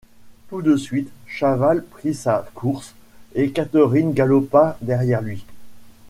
Tout de suite, Chaval prit sa course, et Catherine galopa derrière lui.